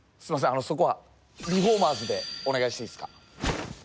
あのそこは「リフォーマーズ」でお願いしていいですか？